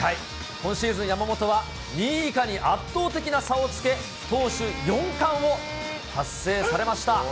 今シーズン、山本は２位以下に圧倒的な差をつけ、投手４冠を達成されました。